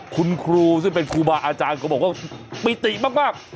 คุณครูซึ่งเป็นครูบาอาจารย์ก็บอกว่าปิติมาก